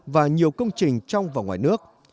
và nhiều công trình trong và ngoài nước